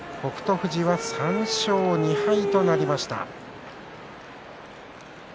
富士は３勝２敗となりました。